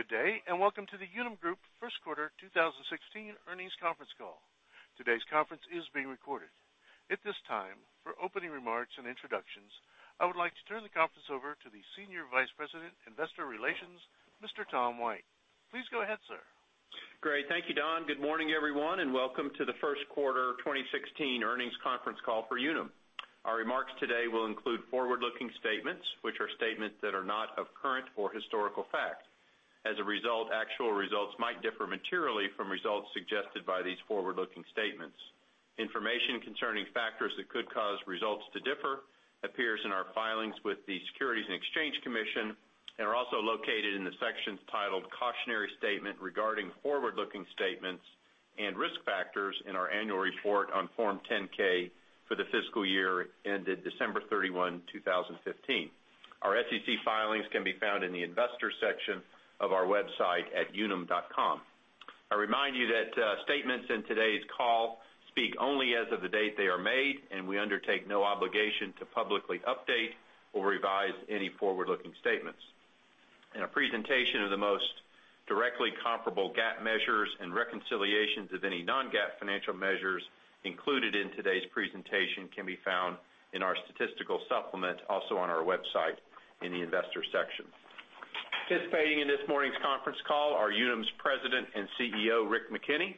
Good day, and welcome to the Unum Group First Quarter 2016 Earnings Conference Call. Today's conference is being recorded. At this time, for opening remarks and introductions, I would like to turn the conference over to the Senior Vice President, Investor Relations, Mr. Tom White. Please go ahead, sir. Great. Thank you, Don. Good morning, everyone, and welcome to the First Quarter 2016 Earnings Conference Call for Unum. Our remarks today will include forward-looking statements, which are statements that are not of current or historical fact. As a result, actual results might differ materially from results suggested by these forward-looking statements. Information concerning factors that could cause results to differ appears in our filings with the Securities and Exchange Commission and are also located in the sections titled Cautionary Statement Regarding Forward-Looking Statements and Risk Factors in our Annual Report on Form 10-K for the fiscal year ended December 31, 2015. Our SEC filings can be found in the Investors section of our website at unum.com. I remind you that statements in today's call speak only as of the date they are made, and we undertake no obligation to publicly update or revise any forward-looking statements. A presentation of the most directly comparable GAAP measures and reconciliations of any non-GAAP financial measures included in today's presentation can be found in our statistical supplement, also on our website in the Investors section. Participating in this morning's conference call are Unum's President and CEO, Rick McKenney,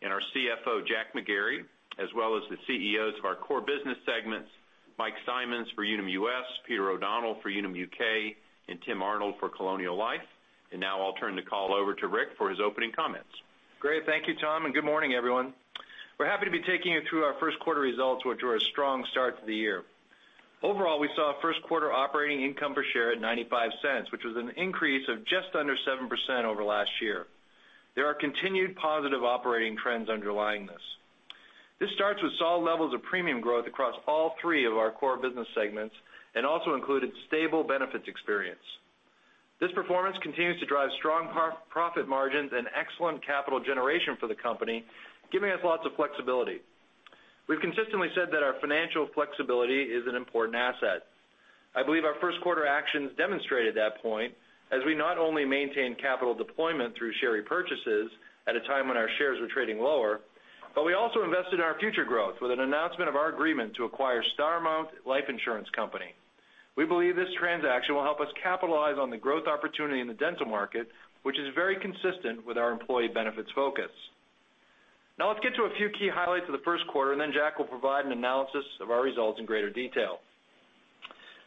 and our CFO, Jack McGarry, as well as the CEOs of our core business segments, Mike Simonds for Unum US, Peter O'Donnell for Unum UK, and Tim Arnold for Colonial Life. Now I'll turn the call over to Rick for his opening comments. Great. Thank you, Tom, and good morning, everyone. We're happy to be taking you through our first quarter results, which were a strong start to the year. Overall, we saw first quarter operating income per share at $0.95, which was an increase of just under 7% over last year. There are continued positive operating trends underlying this. This starts with solid levels of premium growth across all three of our core business segments and also included stable benefits experience. This performance continues to drive strong profit margins and excellent capital generation for the company, giving us lots of flexibility. We've consistently said that our financial flexibility is an important asset. I believe our first quarter actions demonstrated that point as we not only maintained capital deployment through share repurchases at a time when our shares were trading lower, but we also invested in our future growth with an announcement of our agreement to acquire Starmount Life Insurance Company. We believe this transaction will help us capitalize on the growth opportunity in the dental market, which is very consistent with our employee benefits focus. Let's get to a few key highlights of the first quarter, and then Jack will provide an analysis of our results in greater detail.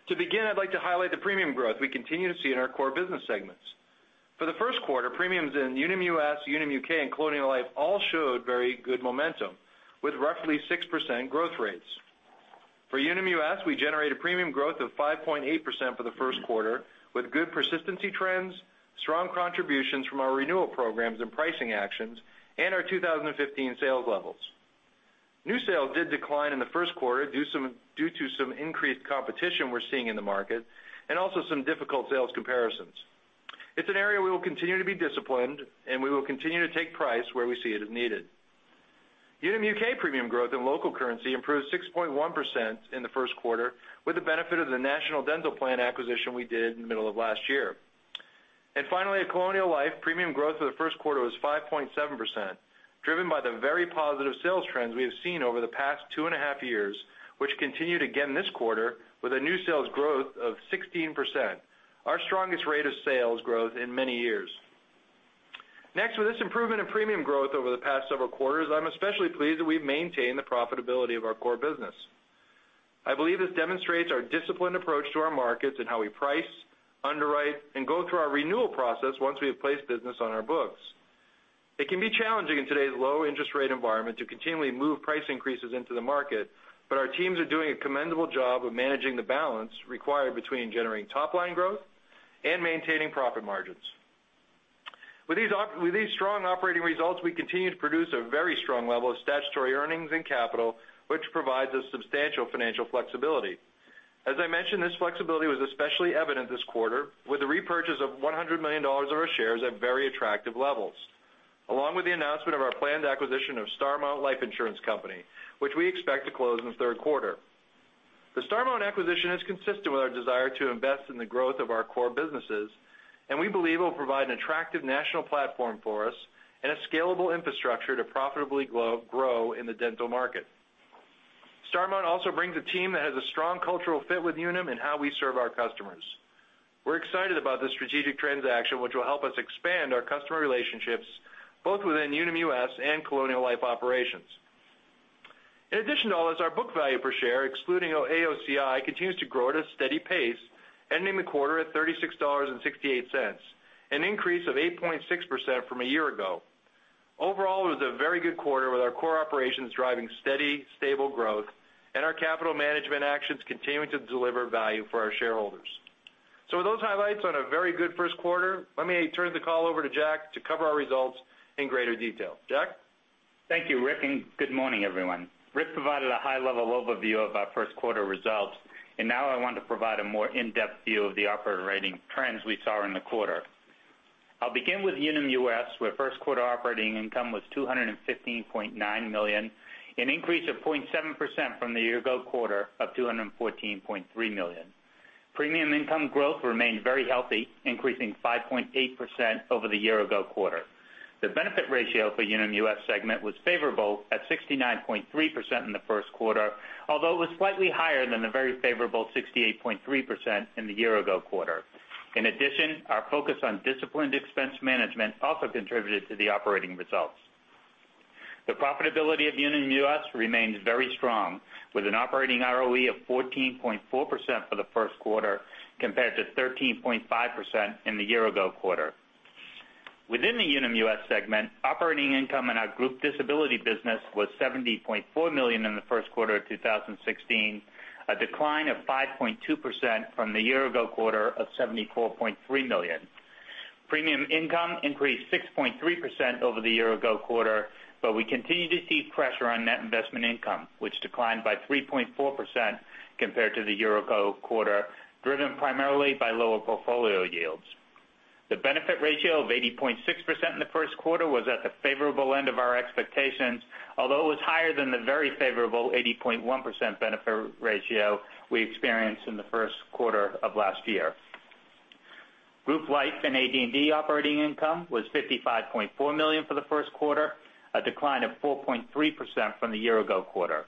To begin, I'd like to highlight the premium growth we continue to see in our core business segments. For the first quarter, premiums in Unum US, Unum UK, and Colonial Life all showed very good momentum, with roughly 6% growth rates. For Unum US, we generated premium growth of 5.8% for the first quarter, with good persistency trends, strong contributions from our renewal programs and pricing actions, and our 2015 sales levels. New sales did decline in the first quarter due to some increased competition we're seeing in the market and also some difficult sales comparisons. It's an area we will continue to be disciplined, and we will continue to take price where we see it as needed. Unum UK premium growth in local currency improved 6.1% in the first quarter with the benefit of the National Dental Plan acquisition we did in the middle of last year. Finally, at Colonial Life, premium growth for the first quarter was 5.7%, driven by the very positive sales trends we have seen over the past two and a half years, which continued again this quarter with a new sales growth of 16%, our strongest rate of sales growth in many years. Next, with this improvement in premium growth over the past several quarters, I'm especially pleased that we've maintained the profitability of our core business. I believe this demonstrates our disciplined approach to our markets and how we price, underwrite, and go through our renewal process once we have placed business on our books. It can be challenging in today's low interest rate environment to continually move price increases into the market, but our teams are doing a commendable job of managing the balance required between generating top-line growth and maintaining profit margins. With these strong operating results, we continue to produce a very strong level of statutory earnings and capital, which provides us substantial financial flexibility. As I mentioned, this flexibility was especially evident this quarter with the repurchase of $100 million of our shares at very attractive levels, along with the announcement of our planned acquisition of Starmount Life Insurance Company, which we expect to close in the third quarter. The Starmount acquisition is consistent with our desire to invest in the growth of our core businesses, and we believe it will provide an attractive national platform for us and a scalable infrastructure to profitably grow in the dental market. Starmount also brings a team that has a strong cultural fit with Unum and how we serve our customers. We're excited about this strategic transaction, which will help us expand our customer relationships both within Unum US and Colonial Life operations. In addition to all this, our book value per share, excluding AOCI, continues to grow at a steady pace, ending the quarter at $36.68, an increase of 8.6% from a year ago. Overall, it was a very good quarter with our core operations driving steady, stable growth and our capital management actions continuing to deliver value for our shareholders. With those highlights on a very good first quarter, let me turn the call over to Jack to cover our results in greater detail. Jack? Thank you, Rick, and good morning, everyone. Rick provided a high-level overview of our first quarter results, and now I want to provide a more in-depth view of the operating trends we saw in the quarter. I'll begin with Unum US, where first quarter operating income was $215.9 million, an increase of 0.7% from the year ago quarter of $214.3 million. Premium income growth remained very healthy, increasing 5.8% over the year ago quarter. The benefit ratio for Unum US segment was favorable at 69.3% in the first quarter, although it was slightly higher than the very favorable 68.3% in the year ago quarter. In addition, our focus on disciplined expense management also contributed to the operating results. The profitability of Unum US remains very strong, with an operating ROE of 14.4% for the first quarter, compared to 13.5% in the year ago quarter. Within the Unum US segment, operating income in our group disability business was $70.4 million in the first quarter of 2016, a decline of 5.2% from the year ago quarter of $74.3 million. Premium income increased 6.3% over the year ago quarter, We continue to see pressure on net investment income, which declined by 3.4% compared to the year ago quarter, driven primarily by lower portfolio yields. The benefit ratio of 80.6% in the first quarter was at the favorable end of our expectations, although it was higher than the very favorable 80.1% benefit ratio we experienced in the first quarter of last year. Group Life and AD&D operating income was $55.4 million for the first quarter, a decline of 4.3% from the year ago quarter.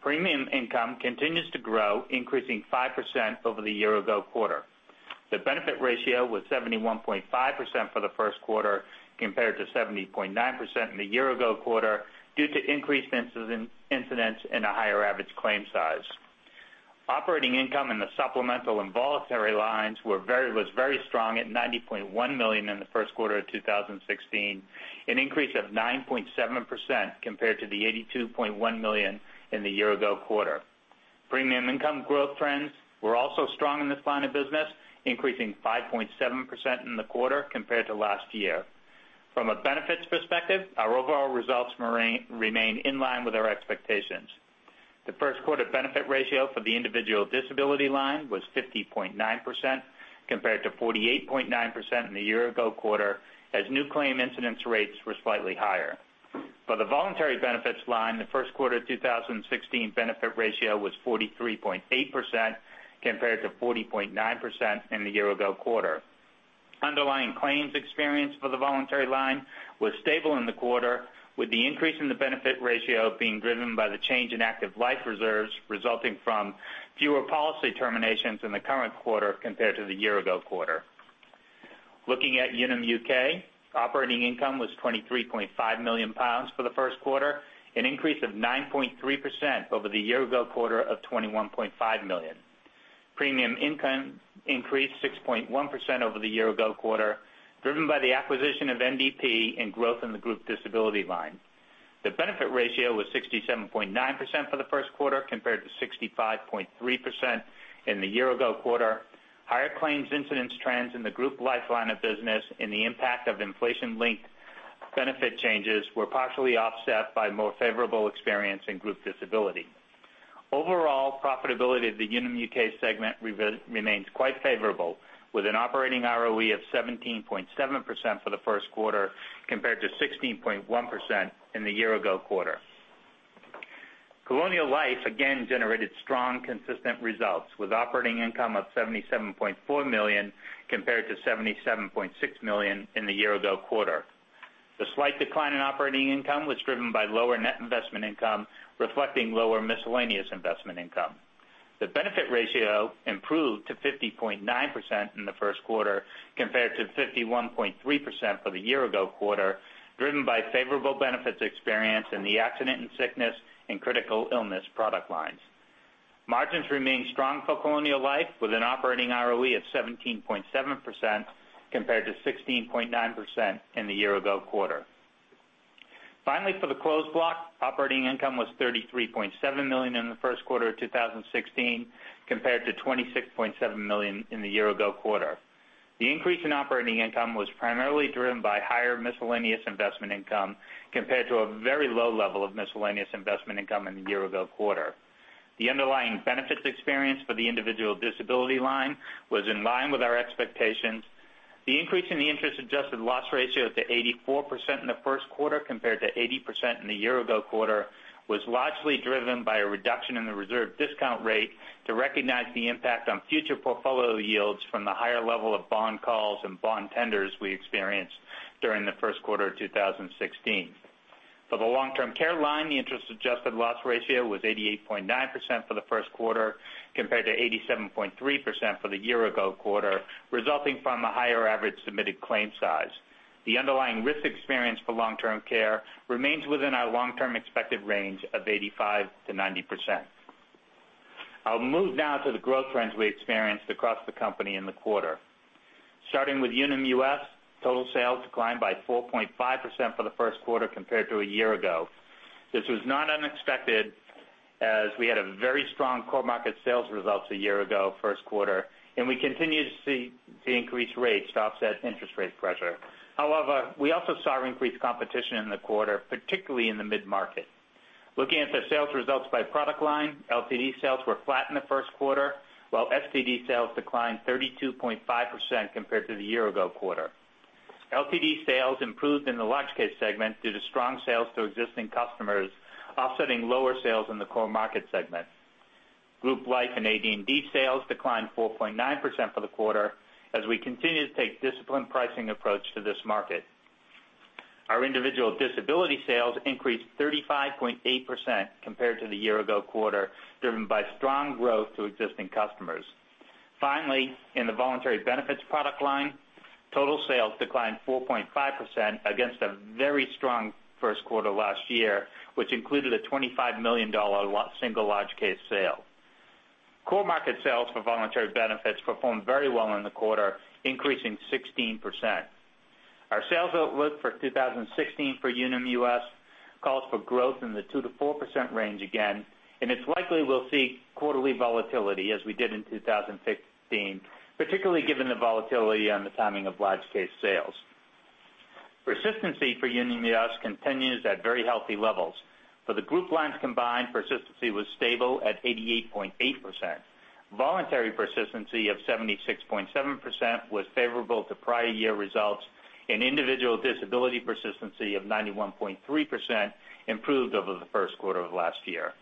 Premium income continues to grow, increasing 5% over the year ago quarter. The benefit ratio was 71.5% for the first quarter compared to 70.9% in the year ago quarter, due to increased incidents and a higher average claim size. Operating income in the supplemental and voluntary lines was very strong at $90.1 million in the first quarter of 2016, an increase of 9.7% compared to the $82.1 million in the year ago quarter. Premium income growth trends were also strong in this line of business, increasing 5.7% in the quarter compared to last year. From a benefits perspective, our overall results remain in line with our expectations. The first quarter benefit ratio for the individual disability line was 50.9% compared to 48.9% in the year ago quarter, as new claim incidence rates were slightly higher. For the voluntary benefits line, the first quarter 2016 benefit ratio was 43.8% compared to 40.9% in the year ago quarter. Underlying claims experience for the voluntary line was stable in the quarter, with the increase in the benefit ratio being driven by the change in active life reserves resulting from fewer policy terminations in the current quarter compared to the year ago quarter. Looking at Unum UK, operating income was £23.5 million for the first quarter, an increase of 9.3% over the year ago quarter of £21.5 million. Premium income increased 6.1% over the year ago quarter, driven by the acquisition of NDP and growth in the Group Disability line. The benefit ratio was 67.9% for the first quarter compared to 65.3% in the year ago quarter. Higher claims incidence trends in the Group Life line of business and the impact of inflation-linked benefit changes were partially offset by more favorable experience in Group Disability. Overall profitability of the Unum UK segment remains quite favorable, with an operating ROE of 17.7% for the first quarter compared to 16.1% in the year ago quarter. Colonial Life again generated strong, consistent results with operating income of $77.4 million compared to $77.6 million in the year ago quarter. The slight decline in operating income was driven by lower net investment income, reflecting lower miscellaneous investment income. The benefit ratio improved to 50.9% in the first quarter compared to 51.3% for the year ago quarter, driven by favorable benefits experience in the accident and sickness and critical illness product lines. Margins remain strong for Colonial Life with an operating ROE of 17.7% compared to 16.9% in the year ago quarter. Finally, for the Closed Block, operating income was $33.7 million in the first quarter of 2016 compared to $26.7 million in the year ago quarter. The increase in operating income was primarily driven by higher miscellaneous investment income compared to a very low level of miscellaneous investment income in the year ago quarter. The underlying benefits experience for the Individual Disability line was in line with our expectations. The increase in the interest-adjusted loss ratio to 84% in the first quarter compared to 80% in the year ago quarter was largely driven by a reduction in the reserve discount rate to recognize the impact on future portfolio yields from the higher level of bond calls and bond tenders we experienced during the first quarter of 2016. For the long-term care line, the interest-adjusted loss ratio was 88.9% for the first quarter compared to 87.3% for the year ago quarter, resulting from a higher average submitted claim size. The underlying risk experience for long-term care remains within our long-term expected range of 85%-90%. I'll move now to the growth trends we experienced across the company in the quarter. Starting with Unum US, total sales declined by 4.5% for the first quarter compared to a year ago. This was not unexpected, as we had a very strong core market sales results a year ago first quarter, and we continue to see increased rates to offset interest rate pressure. However, we also saw increased competition in the quarter, particularly in the mid-market. Looking at the sales results by product line, LTD sales were flat in the first quarter, while STD sales declined 32.5% compared to the year ago quarter. LTD sales improved in the large case segment due to strong sales to existing customers, offsetting lower sales in the core market segment. Group Life and AD&D sales declined 4.9% for the quarter as we continue to take disciplined pricing approach to this market. Our Individual Disability sales increased 35.8% compared to the year-ago quarter, driven by strong growth to existing customers. Finally, in the voluntary benefits product line, total sales declined 4.5% against a very strong first quarter last year, which included a $25 million single large case sale. Core market sales for voluntary benefits performed very well in the quarter, increasing 16%. Our sales outlook for 2016 for Unum US calls for growth in the 2%-4% range again, and it's likely we'll see quarterly volatility as we did in 2015, particularly given the volatility on the timing of large case sales. Persistency for Unum US continues at very healthy levels. For the group lines combined, persistency was stable at 88.8%. Voluntary persistency of 76.7% was favorable to prior year results, and Individual Disability persistency of 91.3% improved over the first quarter of last year.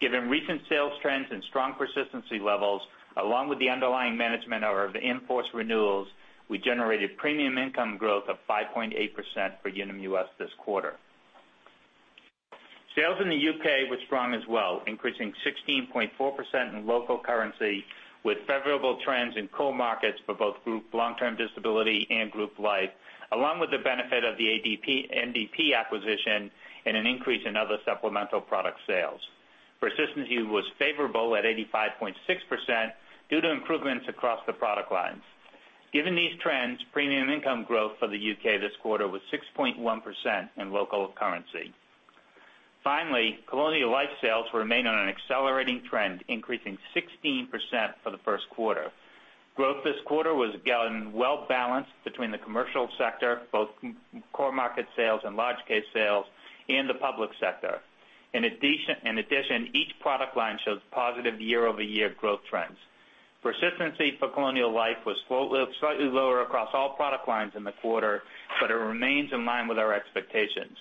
Given recent sales trends and strong persistency levels, along with the underlying management of in-force renewals, we generated premium income growth of 5.8% for Unum US this quarter. Sales in the U.K. were strong as well, increasing 16.4% in GBP with favorable trends in core markets for both Group Long-Term Disability and Group Life, along with the benefit of the NDP acquisition and an increase in other supplemental product sales. Persistency was favorable at 85.6% due to improvements across the product lines. Given these trends, premium income growth for the U.K. this quarter was 6.1% in GBP. Colonial Life sales remain on an accelerating trend, increasing 16% for the first quarter. Growth this quarter was again well-balanced between the commercial sector, both core market sales and large case sales, and the public sector. In addition, each product line shows positive year-over-year growth trends. Persistency for Colonial Life was slightly lower across all product lines in the quarter, but it remains in line with our expectations.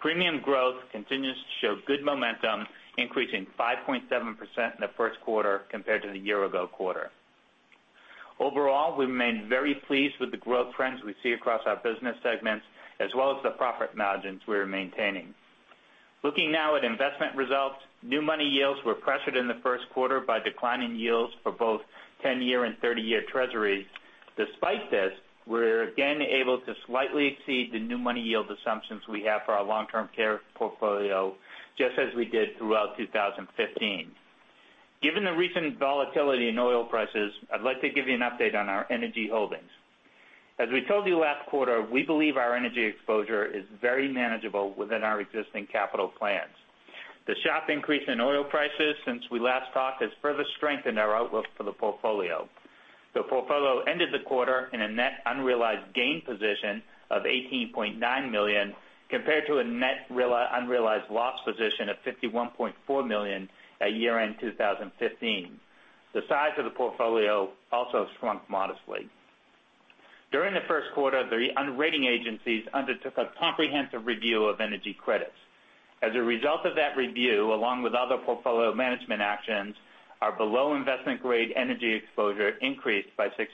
Premium growth continues to show good momentum, increasing 5.7% in the first quarter compared to the year-ago quarter. Overall, we remain very pleased with the growth trends we see across our business segments, as well as the profit margins we are maintaining. Looking now at investment results, new money yields were pressured in the first quarter by declining yields for both 10-year and 30-year Treasuries. Despite this, we were again able to slightly exceed the new money yield assumptions we have for our long-term care portfolio, just as we did throughout 2015. Given the recent volatility in oil prices, I'd like to give you an update on our energy holdings. As we told you last quarter, we believe our energy exposure is very manageable within our existing capital plans. The sharp increase in oil prices since we last talked has further strengthened our outlook for the portfolio. The portfolio ended the quarter in a net unrealized gain position of $18.9 million, compared to a net unrealized loss position of $51.4 million at year-end 2015. The size of the portfolio also shrunk modestly. During the first quarter, the rating agencies undertook a comprehensive review of energy credits. As a result of that review, along with other portfolio management actions, our below investment-grade energy exposure increased by $66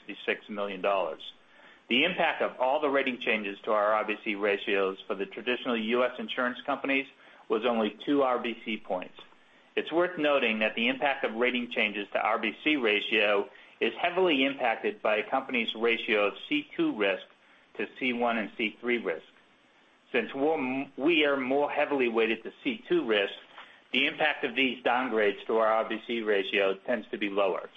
million. The impact of all the rating changes to our RBC ratios for the traditional U.S. insurance companies was only two RBC points. It's worth noting that the impact of rating changes to RBC ratio is heavily impacted by a company's ratio of C2 risk to C1 and C3 risk. Since we are more heavily weighted to C2 risk, the impact of these downgrades to our RBC ratio tends to be lower.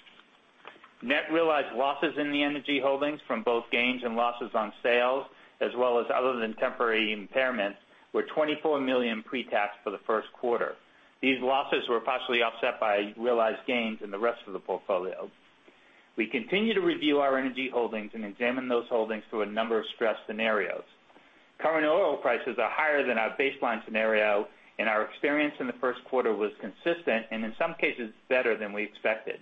Net realized losses in the energy holdings from both gains and losses on sales, as well as other than temporary impairments, were $24 million pre-tax for the first quarter. These losses were partially offset by realized gains in the rest of the portfolio. We continue to review our energy holdings and examine those holdings through a number of stress scenarios. Current oil prices are higher than our baseline scenario, and our experience in the first quarter was consistent and, in some cases, better than we expected.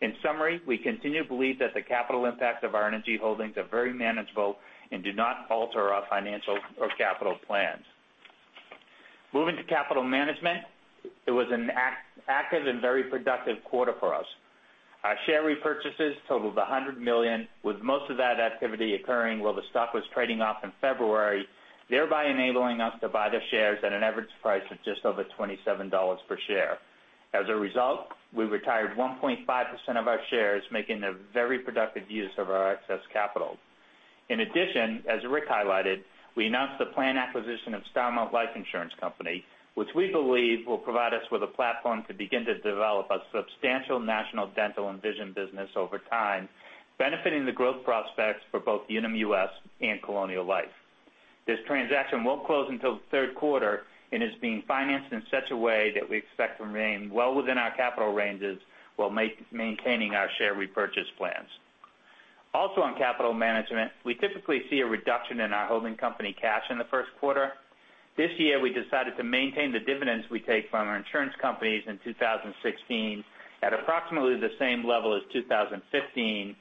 In summary, we continue to believe that the capital impact of our energy holdings are very manageable and do not alter our financial or capital plans. Moving to capital management, it was an active and very productive quarter for us. Our share repurchases totaled $100 million, with most of that activity occurring while the stock was trading off in February, thereby enabling us to buy the shares at an average price of just over $27 per share. As a result, we retired 1.5% of our shares, making a very productive use of our excess capital. In addition, as Rick highlighted, we announced the planned acquisition of Starmount Life Insurance Company, which we believe will provide us with a platform to begin to develop a substantial national dental and vision business over time, benefiting the growth prospects for both Unum US and Colonial Life. This transaction won't close until the third quarter and is being financed in such a way that we expect to remain well within our capital ranges while maintaining our share repurchase plans. Also on capital management, we typically see a reduction in our holding company cash in the first quarter. This year, we decided to maintain the dividends we take from our insurance companies in 2016 at approximately the same level as 2015,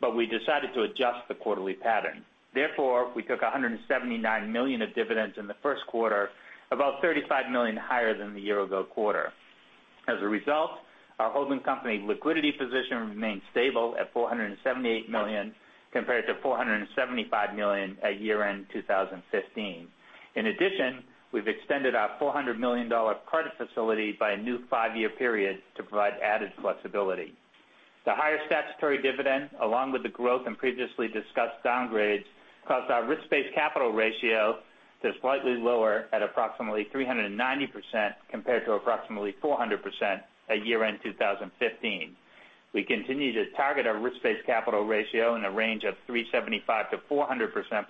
but we decided to adjust the quarterly pattern. Therefore, we took $179 million of dividends in the first quarter, about $35 million higher than the year ago quarter. As a result, our holding company liquidity position remains stable at $478 million compared to $475 million at year-end 2015. In addition, we've extended our $400 million credit facility by a new five-year period to provide added flexibility. The higher statutory dividend, along with the growth in previously discussed downgrades, caused our risk-based capital ratio to slightly lower at approximately 390% compared to approximately 400% at year-end 2015. We continue to target our risk-based capital ratio in a range of 375%-400%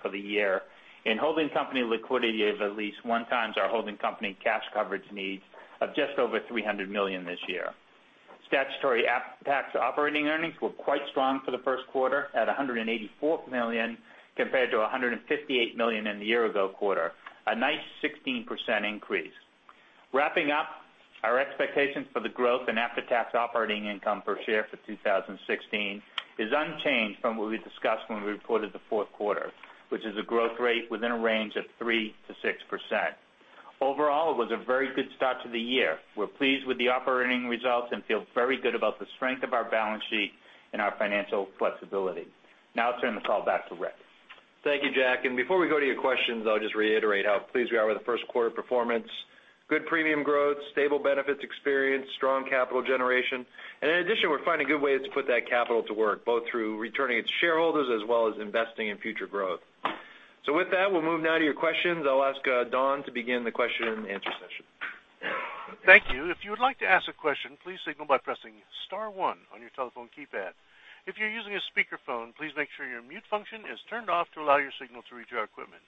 for the year, and holding company liquidity of at least one times our holding company cash coverage needs of just over $300 million this year. Statutory after-tax operating earnings were quite strong for the first quarter at $184 million compared to $158 million in the year ago quarter. A nice 16% increase. Wrapping up, our expectations for the growth in after-tax operating income per share for 2016 is unchanged from what we discussed when we reported the fourth quarter, which is a growth rate within a range of 3%-6%. Overall, it was a very good start to the year. We're pleased with the operating results and feel very good about the strength of our balance sheet and our financial flexibility. Now I'll turn the call back to Rick. Thank you, Jack. Before we go to your questions, I'll just reiterate how pleased we are with the first quarter performance. Good premium growth, stable benefits experience, strong capital generation, and in addition, we're finding good ways to put that capital to work, both through returning it to shareholders as well as investing in future growth. With that, we'll move now to your questions. I'll ask Don to begin the question and answer session. Thank you. If you would like to ask a question, please signal by pressing *1 on your telephone keypad. If you're using a speakerphone, please make sure your mute function is turned off to allow your signal to reach our equipment.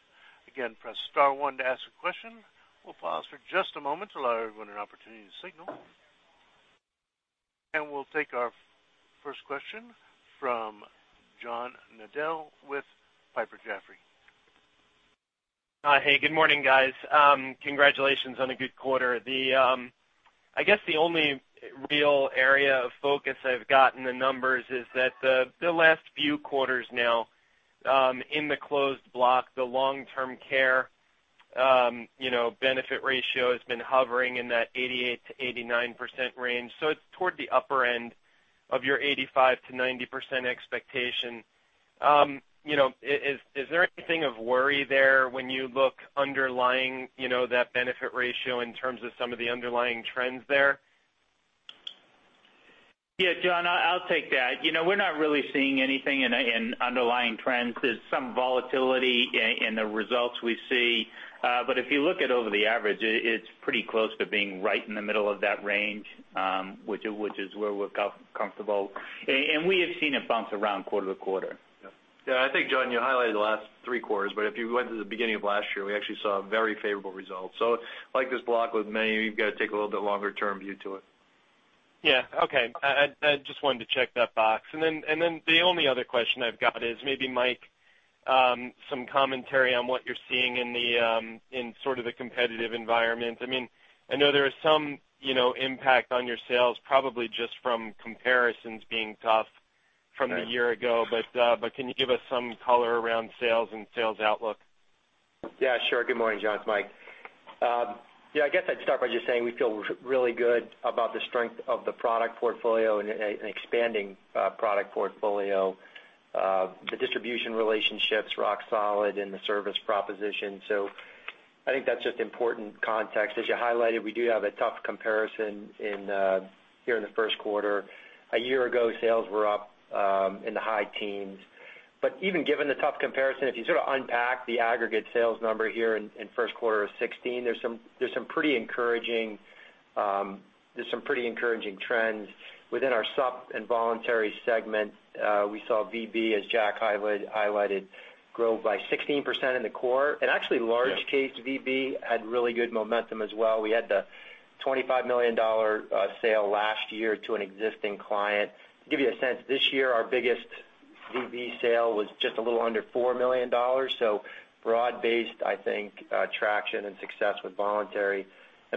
Again, press *1 to ask a question. We'll pause for just a moment to allow everyone an opportunity to signal. We'll take our first question from John Nadel with Piper Jaffray. Hey, good morning, guys. Congratulations on a good quarter. I guess the only real area of focus I've got in the numbers is that the last few quarters now, in the Closed Block, the long-term care benefit ratio has been hovering in that 88%-89% range. It's toward the upper end of your 85%-90% expectation. Is there anything of worry there when you look underlying that benefit ratio in terms of some of the underlying trends there? Yeah, John, I'll take that. We're not really seeing anything in underlying trends. There's some volatility in the results we see. If you look at over the average, it's pretty close to being right in the middle of that range, which is where we're comfortable. We have seen it bounce around quarter-to-quarter. Yeah, I think, John, you highlighted the last three quarters. If you went to the beginning of last year, we actually saw very favorable results. Like this block with many, you've got to take a little bit longer-term view to it. Yeah. Okay. I just wanted to check that box. The only other question I've got is maybe, Mike, some commentary on what you're seeing in sort of the competitive environment. I know there is some impact on your sales, probably just from comparisons being tough from the year ago. Can you give us some color around sales and sales outlook? Yeah, sure. Good morning, John. It's Mike. I guess I'd start by just saying we feel really good about the strength of the product portfolio and expanding product portfolio. The distribution relationship's rock solid and the service proposition, so I think that's just important context. As you highlighted, we do have a tough comparison here in the first quarter. A year ago, sales were up in the high teens. Even given the tough comparison, if you sort of unpack the aggregate sales number here in first quarter of 2016, there's some pretty encouraging trends within our sup and voluntary segment. We saw VB, as Jack highlighted, grow by 16% in the core, and actually large case VB had really good momentum as well. We had the $25 million sale last year to an existing client. To give you a sense, this year our biggest VB sale was just a little under $4 million. So broad-based, I think, traction and success with voluntary.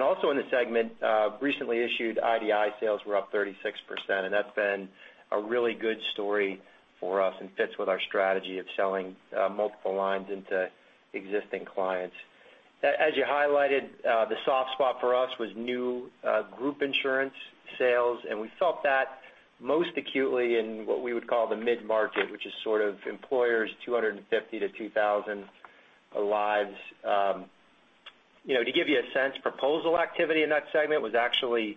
Also in the segment, recently issued IDI sales were up 36%, and that's been a really good story for us and fits with our strategy of selling multiple lines into existing clients. As you highlighted, the soft spot for us was new Group Disability Insurance sales, and we felt that most acutely in what we would call the mid-market, which is sort of employers 250 to 2,000 lives. To give you a sense, proposal activity in that segment was actually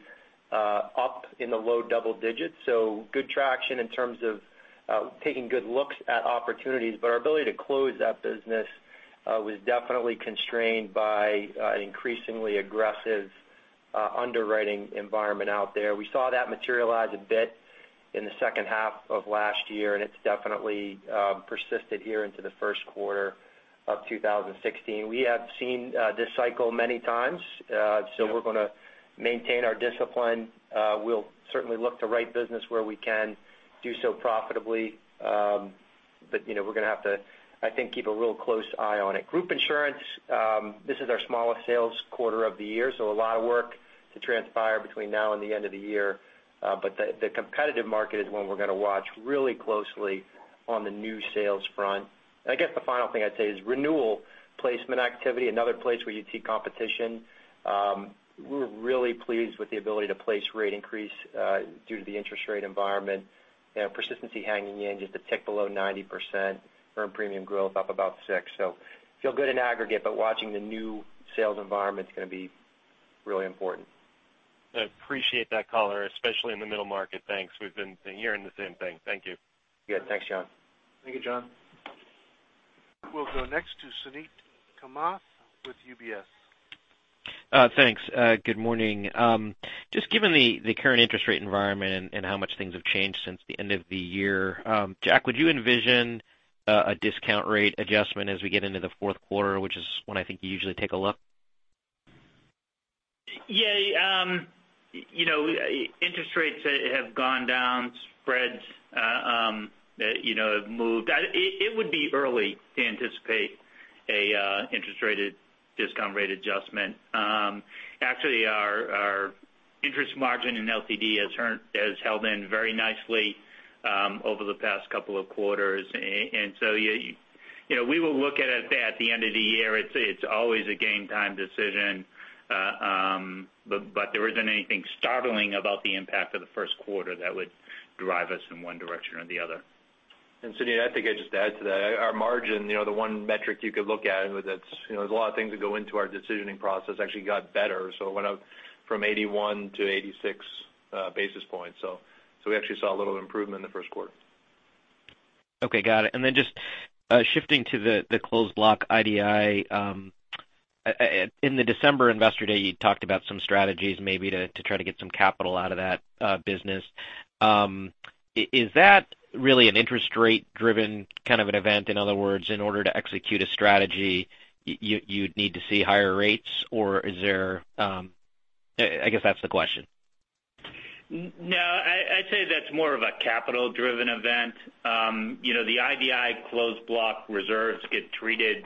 up in the low double digits. Good traction in terms of taking good looks at opportunities. Our ability to close that business was definitely constrained by an increasingly aggressive underwriting environment out there. We saw that materialize a bit in the second half of last year, and it's definitely persisted here into the first quarter of 2016. We have seen this cycle many times. We're going to maintain our discipline. We'll certainly look to write business where we can do so profitably. We're going to have to, I think, keep a real close eye on it. Group Disability Insurance, this is our smallest sales quarter of the year. A lot of work to transpire between now and the end of the year. The competitive market is one we're going to watch really closely on the new sales front. I guess the final thing I'd say is renewal placement activity, another place where you'd see competition. We're really pleased with the ability to place rate increase due to the interest rate environment. Persistency hanging in just a tick below 90%, earned premium growth up about 6%. Feel good in aggregate, but watching the new sales environment is going to be really important. I appreciate that color, especially in the middle market. Thanks. We've been hearing the same thing. Thank you. Good. Thanks, John. Thank you, John. We'll go next to Suneet Kamath with UBS. Thanks. Good morning. Just given the current interest rate environment and how much things have changed since the end of the year, Jack, would you envision a discount rate adjustment as we get into the fourth quarter, which is when I think you usually take a look? Yeah. Interest rates have gone down, spreads have moved. It would be early to anticipate an interest rate discount rate adjustment. Actually, our interest margin in LTD has held in very nicely over the past couple of quarters. We will look at it at the end of the year. It's always a game-time decision. There isn't anything startling about the impact of the first quarter that would drive us in one direction or the other. Suneet, I think I'd just add to that. Our margin, the one metric you could look at, there's a lot of things that go into our decisioning process, actually got better. It went up from 81 to 86 basis points. We actually saw a little improvement in the first quarter. Okay. Got it. Just shifting to the Closed Block IDI. In the December investor day, you talked about some strategies maybe to try to get some capital out of that business. Is that really an interest rate-driven kind of an event? In other words, in order to execute a strategy, you'd need to see higher rates, or I guess that's the question. I'd say that's more of a capital-driven event. The IDI Closed Block reserves get treated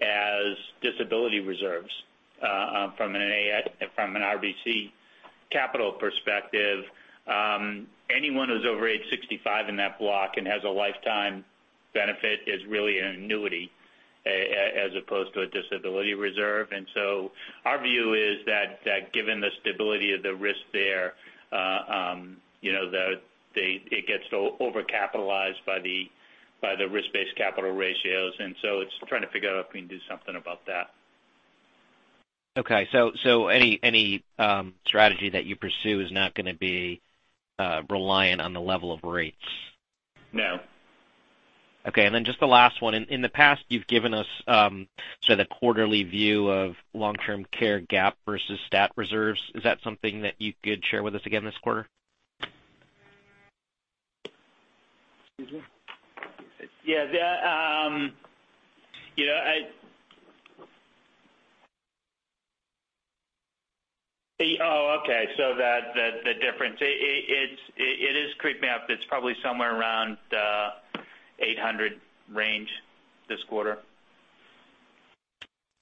as disability reserves from an RBC capital perspective. Anyone who's over age 65 in that block and has a lifetime benefit is really an annuity as opposed to a disability reserve. Our view is that given the stability of the risk there, it gets overcapitalized by the risk-based capital ratios, it's trying to figure out if we can do something about that. Okay. Any strategy that you pursue is not going to be reliant on the level of rates. No. Okay. Just the last one. In the past, you've given us sort of the quarterly view of long-term care GAAP versus stat reserves. Is that something that you could share with us again this quarter? Excuse me? Yeah. Oh, okay. The difference. It is creeping up. It's probably somewhere around 800 range this quarter.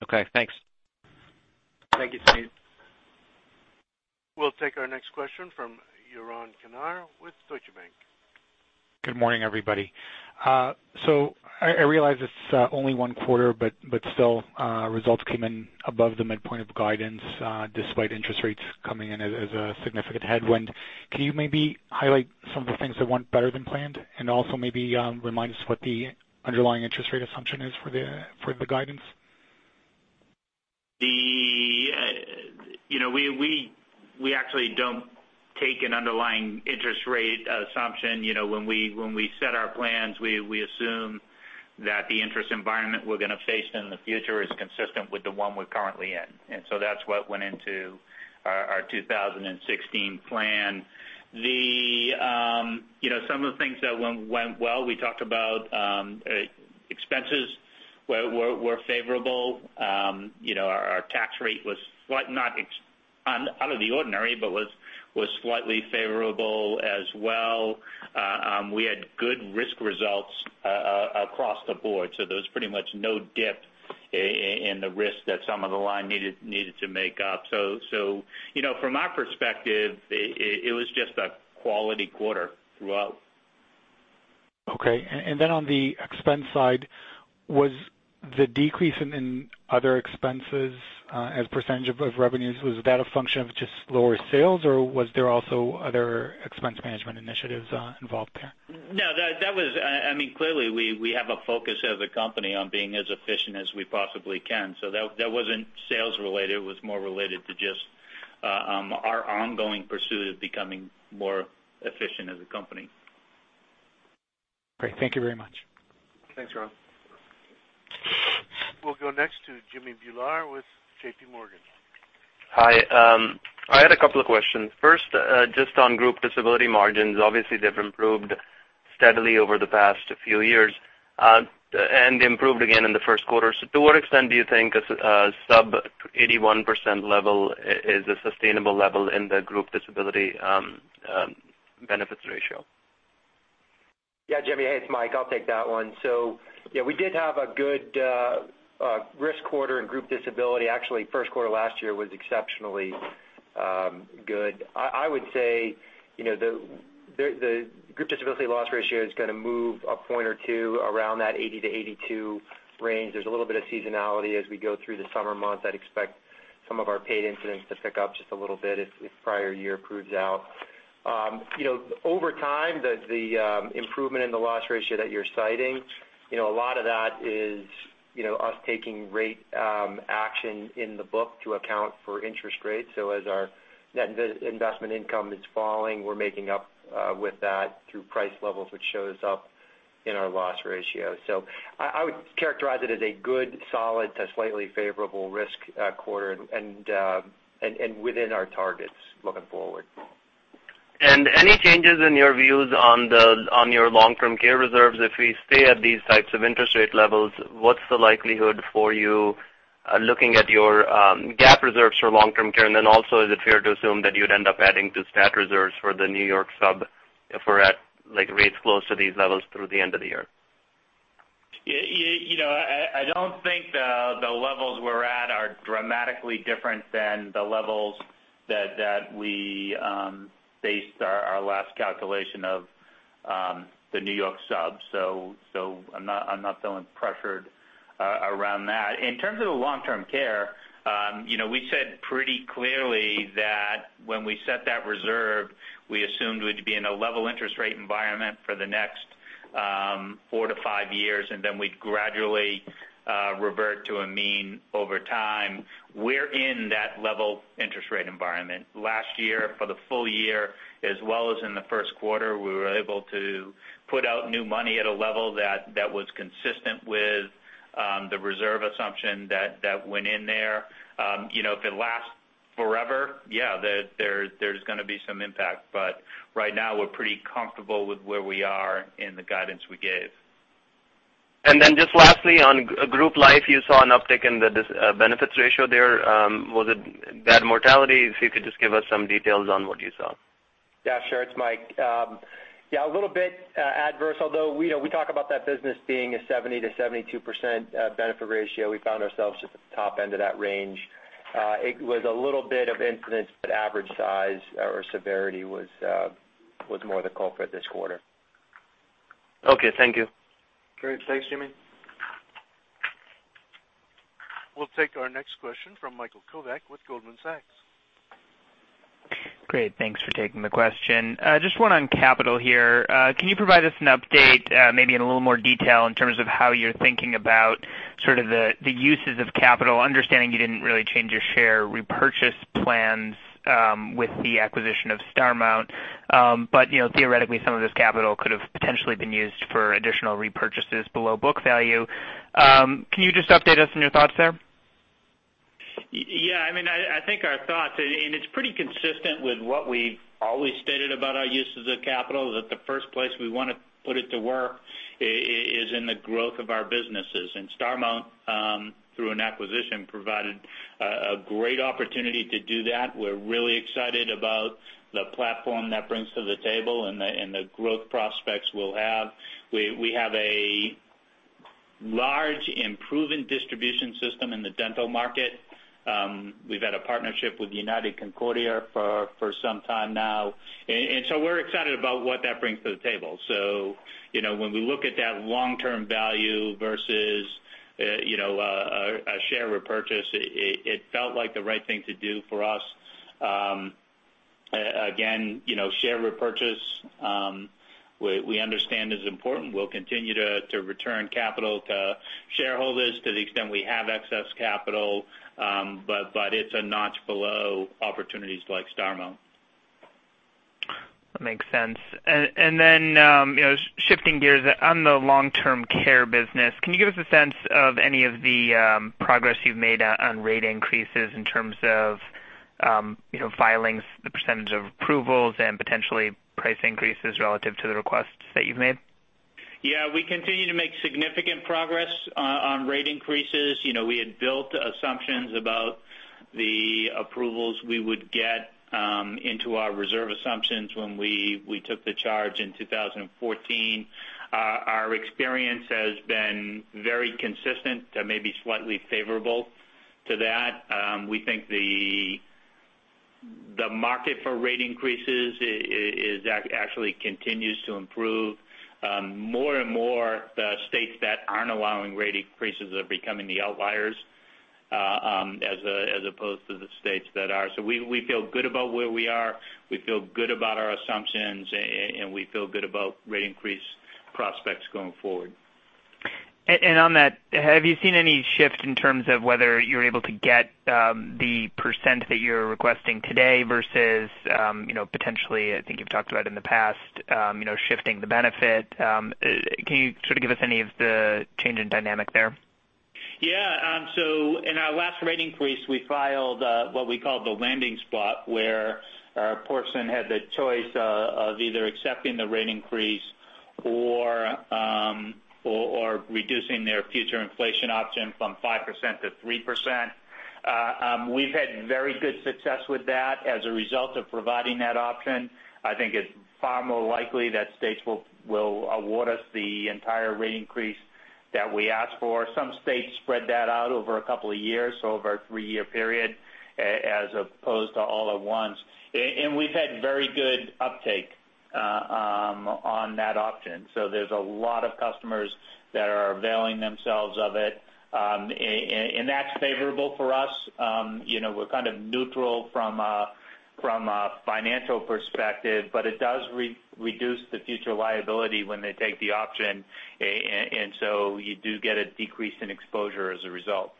Okay, thanks. Thank you, Suneet. We'll take our next question from Yaron Kinar with Deutsche Bank. Good morning, everybody. I realize it's only one quarter, but still, results came in above the midpoint of guidance, despite interest rates coming in as a significant headwind. Can you maybe highlight some of the things that went better than planned? Also maybe remind us what the underlying interest rate assumption is for the guidance. We actually don't take an underlying interest rate assumption. When we set our plans, we assume that the interest environment we're going to face in the future is consistent with the one we're currently in. That's what went into our 2016 plan. Some of the things that went well, we talked about expenses were favorable. Our tax rate was not out of the ordinary, but was slightly favorable as well. We had good risk results across the board. There was pretty much no dip in the risk that some of the line needed to make up. From our perspective, it was just a quality quarter throughout. Okay. On the expense side, was the decrease in other expenses as percentage of revenues, was that a function of just lower sales, or was there also other expense management initiatives involved there? No. Clearly, we have a focus as a company on being as efficient as we possibly can. That wasn't sales-related. It was more related to just our ongoing pursuit of becoming more efficient as a company. Great. Thank you very much. Thanks, Yaron. We'll go next to Jimmy Bhullar with J.P. Morgan. Hi. I had a couple of questions. First, just on group disability margins. Obviously, they've improved steadily over the past few years, and they improved again in the first quarter. To what extent do you think a sub 81% level is a sustainable level in the group disability benefit ratio? Yeah, Jimmy, hey, it's Mike. I'll take that one. Yeah, we did have a good risk quarter in group disability. Actually, first quarter last year was exceptionally good. I would say, the group disability loss ratio is going to move a point or two around that 80-82 range. There's a little bit of seasonality as we go through the summer months. I'd expect some of our paid incidents to pick up just a little bit if prior year proves out. Over time, the improvement in the loss ratio that you're citing, a lot of that is us taking rate action in the book to account for interest rates. As our net investment income is falling, we're making up with that through price levels, which shows up in our loss ratio. I would characterize it as a good solid to slightly favorable risk quarter, and within our targets looking forward. Any changes in your views on your long-term care reserves? If we stay at these types of interest rate levels, what's the likelihood for you, looking at your GAAP reserves for long-term care? Also, is it fair to assume that you'd end up adding to stat reserves for the N.Y. sub if we're at rates close to these levels through the end of the year? I don't think the levels we're at are dramatically different than the levels that we based our last calculation of the N.Y. sub. I'm not feeling pressured around that. In terms of the long-term care, we said pretty clearly that when we set that reserve, we assumed we'd be in a level interest rate environment for the next four to five years, then we'd gradually revert to a mean over time. We're in that level interest rate environment. Last year, for the full year, as well as in the first quarter, we were able to put out new money at a level that was consistent with the reserve assumption that went in there. If it lasts forever, yeah, there's going to be some impact, but right now we're pretty comfortable with where we are in the guidance we gave. Just lastly, on group life, you saw an uptick in the benefit ratio there. Was it bad mortality? If you could just give us some details on what you saw. Sure. It's Mike. A little bit adverse. Although, we talk about that business being a 70%-72% benefit ratio. We found ourselves just at the top end of that range. It was a little bit of incidence, but average size or severity was more the culprit this quarter. Okay. Thank you. Great. Thanks, Jimmy. We'll take our next question from Michael Kovac with Goldman Sachs. Great. Thanks for taking the question. Just one on capital here. Can you provide us an update, maybe in a little more detail, in terms of how you're thinking about the uses of capital? Understanding you didn't really change your share repurchase plans with the acquisition of Starmount. Theoretically, some of this capital could've potentially been used for additional repurchases below book value. Can you just update us on your thoughts there? Yeah. I think our thoughts, it's pretty consistent with what we've always stated about our uses of capital, that the first place we want to put it to work is in the growth of our businesses. Starmount, through an acquisition, provided a great opportunity to do that. We're really excited about the platform that brings to the table and the growth prospects we'll have. We have a large and proven distribution system in the dental market. We've had a partnership with United Concordia for some time now, we're excited about what that brings to the table. When we look at that long-term value versus a share repurchase, it felt like the right thing to do for us. Again, share repurchase, we understand is important. We'll continue to return capital to shareholders to the extent we have excess capital, but it's a notch below opportunities like Starmount. That makes sense. Shifting gears. On the long-term care business, can you give us a sense of any of the progress you've made on rate increases in terms of filings, the percentage of approvals, and potentially price increases relative to the requests that you've made? Yeah. We continue to make significant progress on rate increases. We had built assumptions about the approvals we would get into our reserve assumptions when we took the charge in 2014. Our experience has been very consistent, maybe slightly favorable to that. We think the market for rate increases actually continues to improve. More and more, the states that aren't allowing rate increases are becoming the outliers, as opposed to the states that are. We feel good about where we are, we feel good about our assumptions, and we feel good about rate increase prospects going forward. On that, have you seen any shift in terms of whether you're able to get the % that you're requesting today versus potentially, I think you've talked about in the past, shifting the benefit? Can you give us any of the change in dynamic there? In our last rate increase, we filed what we call the landing spot, where a person had the choice of either accepting the rate increase or reducing their future inflation option from 5% to 3%. We've had very good success with that as a result of providing that option. I think it's far more likely that states will award us the entire rate increase that we ask for. Some states spread that out over a couple of years, so over a three-year period, as opposed to all at once. We've had very good uptake on that option. There's a lot of customers that are availing themselves of it, and that's favorable for us. We're kind of neutral from a financial perspective, but it does reduce the future liability when they take the option, and you do get a decrease in exposure as a result.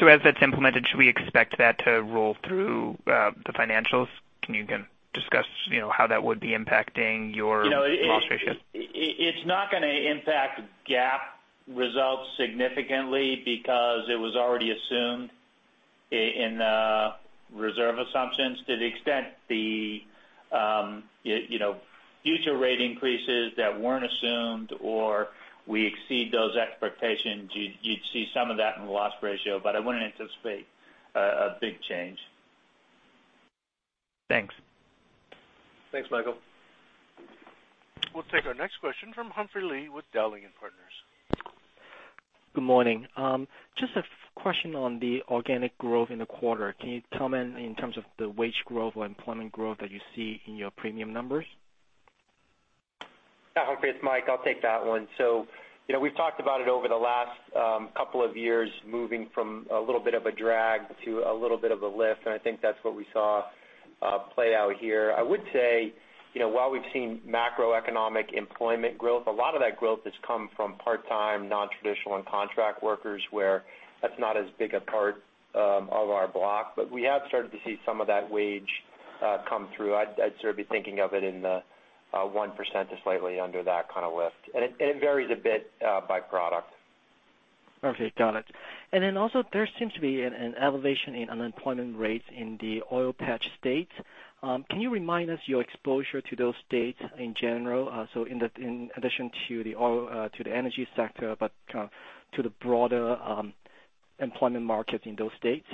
As that's implemented, should we expect that to roll through the financials? Can you again discuss how that would be impacting your loss ratio? It's not going to impact GAAP results significantly because it was already assumed in the reserve assumptions to the extent the future rate increases that weren't assumed or we exceed those expectations, you'd see some of that in the loss ratio. I wouldn't anticipate a big change. Thanks. Thanks, Michael. We'll take our next question from Humphrey Lee with Dowling & Partners. Good morning. Just a question on the organic growth in the quarter. Can you comment in terms of the wage growth or employment growth that you see in your premium numbers? Hi, Humphrey, it's Mike, I'll take that one. We've talked about it over the last couple of years, moving from a little bit of a drag to a little bit of a lift, and I think that's what we saw play out here. I would say, while we've seen macroeconomic employment growth, a lot of that growth has come from part-time, non-traditional and contract workers where that's not as big a part of our block. We have started to see some of that wage come through. I'd sort of be thinking of it in the 1% to slightly under that kind of lift. It varies a bit by product. There seems to be an elevation in unemployment rates in the oil patch states. Can you remind us your exposure to those states in general? In addition to the energy sector, but to the broader employment markets in those states?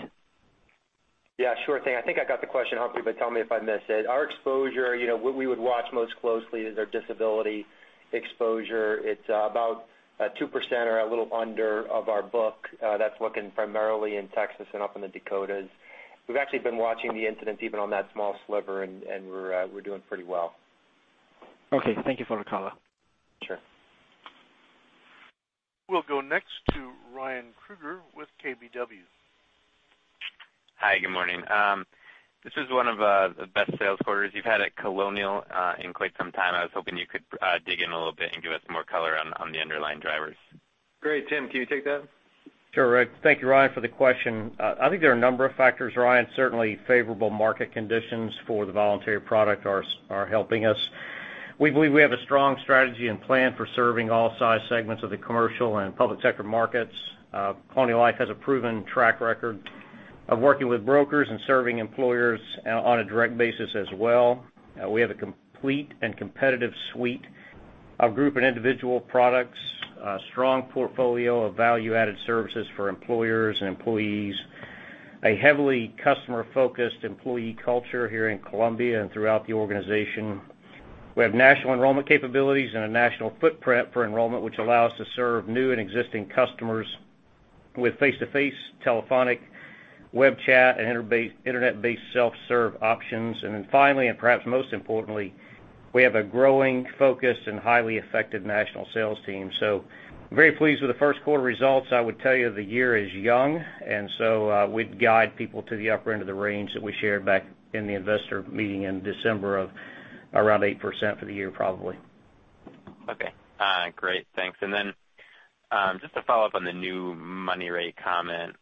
Sure thing. I think I got the question, Humphrey, but tell me if I missed it. Our exposure, what we would watch most closely is our disability exposure. It's about 2% or a little under of our book that's working primarily in Texas and up in the Dakotas. We've actually been watching the incidents even on that small sliver, and we're doing pretty well. Thank you for the color. Sure. We'll go next to Ryan Krueger with KBW. Hi, good morning. This is one of the best sales quarters you've had at Colonial in quite some time. I was hoping you could dig in a little bit and give us some more color on the underlying drivers. Great. Tim, can you take that? Sure. Thank you, Ryan, for the question. I think there are a number of factors, Ryan. Certainly favorable market conditions for the voluntary benefits are helping us. We believe we have a strong strategy and plan for serving all size segments of the commercial and public sector markets. Colonial Life has a proven track record of working with brokers and serving employers on a direct basis as well. We have a complete and competitive suite of group and individual products, a strong portfolio of value-added services for employers and employees, a heavily customer-focused employee culture here in Columbia and throughout the organization. We have national enrollment capabilities and a national footprint for enrollment, which allow us to serve new and existing customers with face-to-face, telephonic, web chat, and internet-based self-serve options. Finally, perhaps most importantly, we have a growing focus and highly effective national sales team. Very pleased with the first quarter results. I would tell you the year is young, we'd guide people to the upper end of the range that we shared back in the investor meeting in December of around 8% for the year, probably. Okay. Great. Thanks. Just to follow up on the new money rate comment,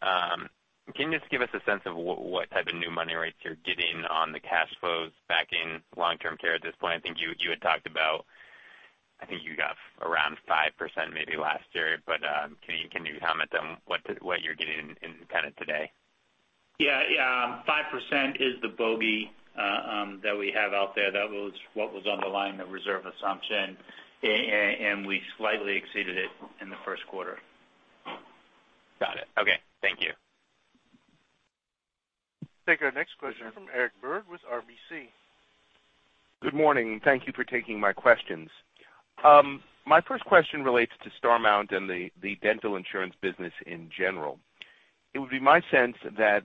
can you just give us a sense of what type of new money rates you're getting on the cash flows backing long-term care at this point? I think you had talked about you got around 5% maybe last year, but can you comment on what you're getting in kind of today? Yeah. 5% is the bogey that we have out there. That was what was underlying the reserve assumption, and we slightly exceeded it in the first quarter. Got it. Okay. Thank you. Take our next question from Erik Brook with RBC. Good morning. Thank you for taking my questions. My first question relates to Starmount and the dental insurance business in general. It would be my sense that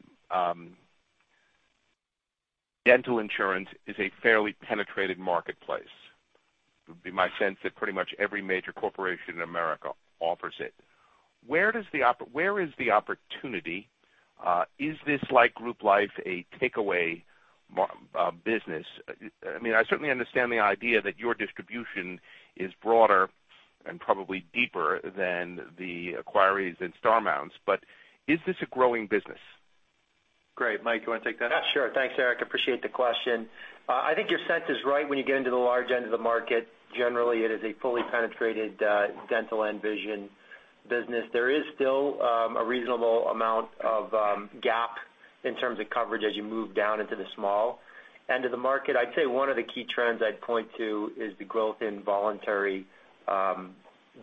dental insurance is a fairly penetrated marketplace. It would be my sense that pretty much every major corporation in America offers it. Where is the opportunity? Is this like Group Life, a takeaway business? I certainly understand the idea that your distribution is broader and probably deeper than the inquiries in Starmount's, but is this a growing business? Great. Mike, you want to take that? Sure. Thanks, Erik. Appreciate the question. I think your sense is right when you get into the large end of the market. Generally, it is a fully penetrated dental and vision. Business, there is still a reasonable amount of gap in terms of coverage as you move down into the small end of the market. I'd say one of the key trends I'd point to is the growth in voluntary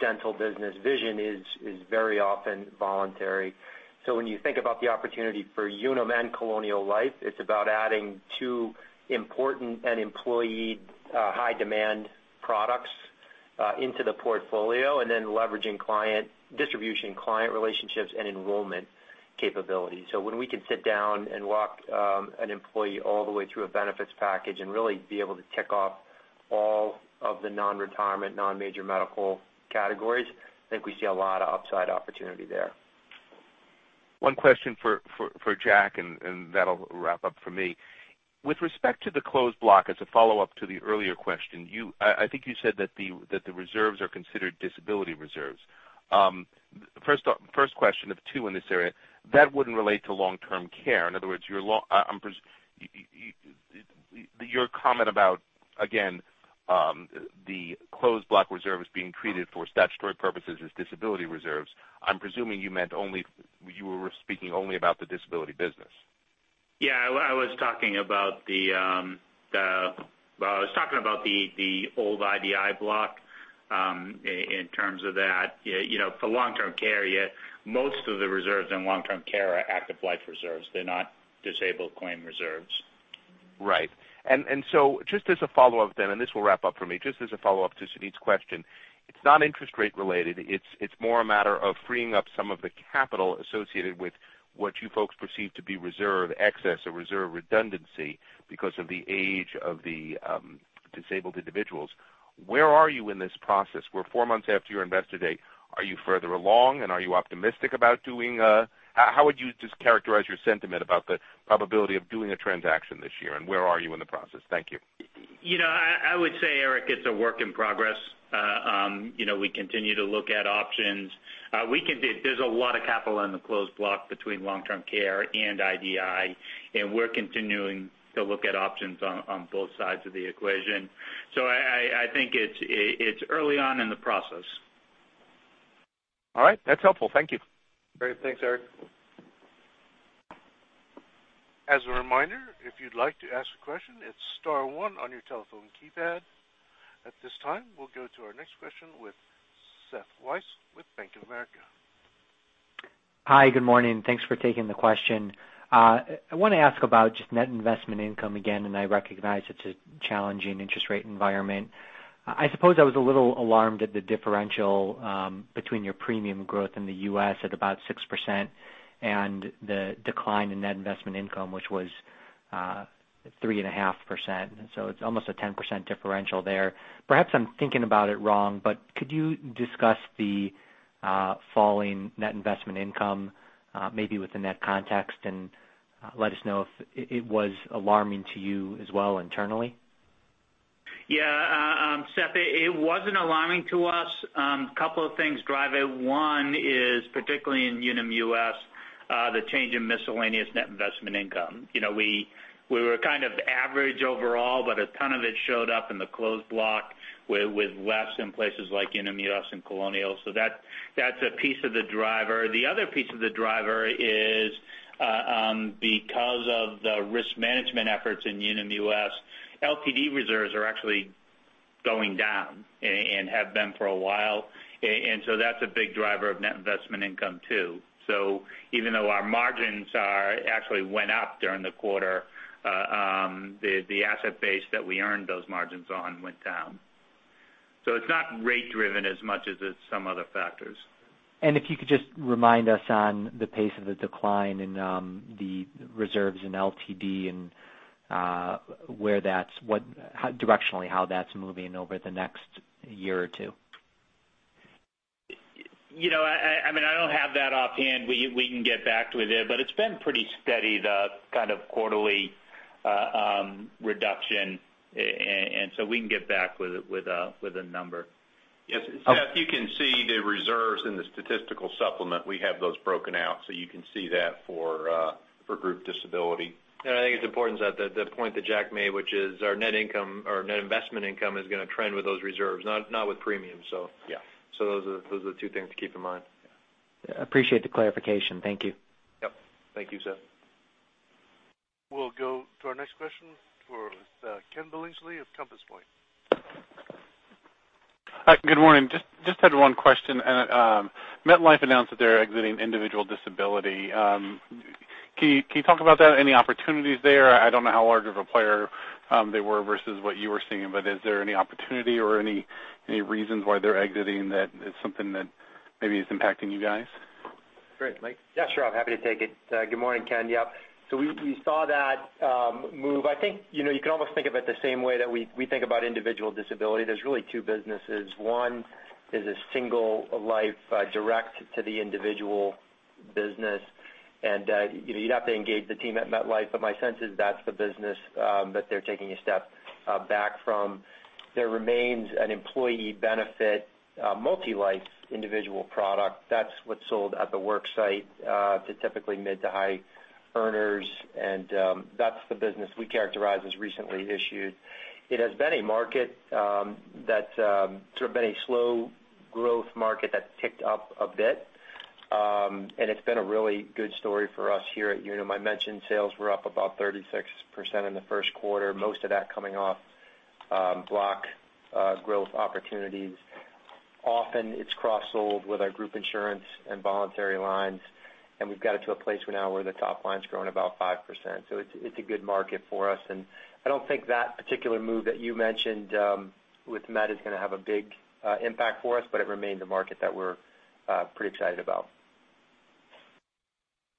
dental business. vision is very often voluntary. When you think about the opportunity for Unum and Colonial Life, it's about adding two important and employee high demand products into the portfolio and then leveraging distribution, client relationships, and enrollment capability. When we can sit down and walk an employee all the way through a benefits package and really be able to tick off all of the non-retirement, non-major medical categories, I think we see a lot of upside opportunity there. One question for Jack. That'll wrap up for me. With respect to the Closed Block, as a follow-up to the earlier question, I think you said that the reserves are considered disability reserves. First question of two in this area. That wouldn't relate to long-term care. In other words, your comment about, again, the Closed Block reserves being treated for statutory purposes as disability reserves, I'm presuming you were speaking only about the disability business. Yeah, I was talking about the old IDI block in terms of that. For long-term care, most of the reserves in long-term care are active life reserves. They're not disabled claim reserves. Right. Just as a follow-up then, and this will wrap up for me. Just as a follow-up to Suneet's question, it's not interest rate related, it's more a matter of freeing up some of the capital associated with what you folks perceive to be reserve excess or reserve redundancy because of the age of the disabled individuals. Where are you in this process? We're 4 months after your investor date. Are you further along and are you optimistic about how would you just characterize your sentiment about the probability of doing a transaction this year, and where are you in the process? Thank you. I would say, Erik, it's a work in progress. We continue to look at options. There's a lot of capital in the Closed Block between long-term care and IDI, and we're continuing to look at options on both sides of the equation. I think it's early on in the process. All right. That's helpful. Thank you. Great. Thanks, Erik. As a reminder, if you'd like to ask a question, it's star one on your telephone keypad. At this time, we'll go to our next question with Seth Weiss with Bank of America. Hi. Good morning. Thanks for taking the question. I want to ask about just net investment income again. I recognize it's a challenging interest rate environment. I suppose I was a little alarmed at the differential between your premium growth in the U.S. at about 6% and the decline in net investment income, which was 3.5%. It's almost a 10% differential there. Perhaps I'm thinking about it wrong, but could you discuss the falling net investment income maybe within that context and let us know if it was alarming to you as well internally? Yeah, Seth, it wasn't alarming to us. Couple of things drive it. One is, particularly in Unum US, the change in miscellaneous net investment income. We were kind of average overall, but a ton of it showed up in the Closed Block with less in places like Unum US and Colonial. That's a piece of the driver. The other piece of the driver is because of the risk management efforts in Unum US, LTD reserves are actually going down and have been for a while. That's a big driver of net investment income, too. Even though our margins actually went up during the quarter, the asset base that we earned those margins on went down. It's not rate driven as much as it's some other factors. If you could just remind us on the pace of the decline in the reserves in LTD and directionally how that's moving over the next year or two. I don't have that offhand. We can get back with you, but it's been pretty steady, the kind of quarterly reduction. We can get back with a number. Yes, Seth, you can see the reserves in the statistical supplement. We have those broken out so you can see that for Group Disability. I think it's important, Seth, the point that Jack made, which is our net income or net investment income is going to trend with those reserves, not with premiums. Yeah. Those are the two things to keep in mind. Appreciate the clarification. Thank you. Yep. Thank you, Seth. We'll go to our next question for Ken Billingsley of Compass Point. Hi. Good morning. Just had one question. MetLife announced that they're exiting individual disability. Can you talk about that? Any opportunities there? I don't know how large of a player they were versus what you were seeing, but is there any opportunity or any reasons why they're exiting that is something that maybe is impacting you guys? Great. Mike? Yeah, sure. Happy to take it. Good morning, Ken. We saw that move. I think you can almost think of it the same way that we think about individual disability. There's really two businesses. One is a single life direct to the individual business, and you'd have to engage the team at MetLife, but my sense is that's the business that they're taking a step back from. There remains an employee benefit multi-life individual product. That's what's sold at the work site to typically mid to high earners, and that's the business we characterize as recently issued. It has been a market that's sort of been a slow growth market that's ticked up a bit. It's been a really good story for us here at Unum. I mentioned sales were up about 36% in the first quarter, most of that coming off block growth opportunities. Often it's cross-sold with our group insurance and voluntary lines, and we've got it to a place where now where the top line's growing about 5%. It's a good market for us, and I don't think that particular move that you mentioned with MetLife is going to have a big impact for us, but it remains a market that we're pretty excited about.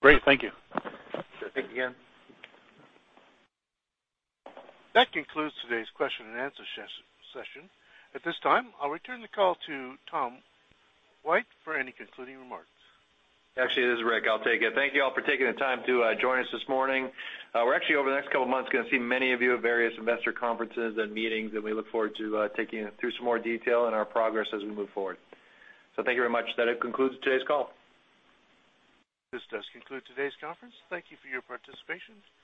Great. Thank you. Sure thing. Thank you again. That concludes today's question and answer session. At this time, I'll return the call to Tom White for any concluding remarks. Actually, this is Rick. I'll take it. Thank you all for taking the time to join us this morning. We're actually, over the next couple of months, going to see many of you at various investor conferences and meetings, and we look forward to taking you through some more detail on our progress as we move forward. Thank you very much. That concludes today's call. This does conclude today's conference. Thank you for your participation. You may disconnect.